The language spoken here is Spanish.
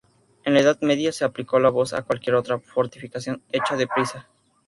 En la Edad Media se aplicó la voz a cualquier otra fortificación hecha deprisa.